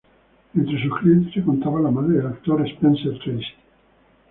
Entre sus clientes se contaba la madre del actor Spencer Tracy.